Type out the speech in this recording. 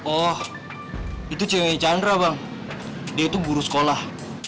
oh itu cewek chandra bang dia itu guru sekolah